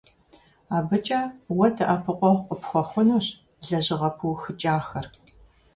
АбыкӀэ уэ дэӀэпыкъуэгъу къыпхуэхъунущ лэжьыгъэ пыухыкӀахэр.